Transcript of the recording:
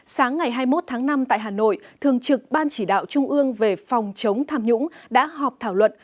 sáng ngày hai mươi một tháng năm tại hà nội thường trực ban chỉ đạo trung ương về phòng chống tham nhũng đã họp thảo luận